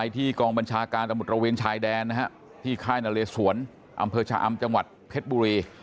ที่ค่ายนาเลสวนอำเภอชาอำจังหวัดเพชรบุรี